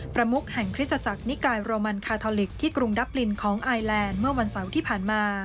ประมุกแห่งคริสตจักรนิกายโรมันคาทอลิกที่กรุงดับลินของไอแลนด์เมื่อวันเสาร์ที่ผ่านมา